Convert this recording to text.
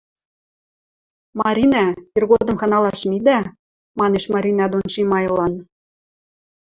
— Маринӓ, иргодым хыналаш мидӓ, — манеш Маринӓ дон Шимайлан.